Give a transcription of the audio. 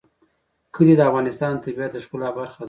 کلي د افغانستان د طبیعت د ښکلا برخه ده.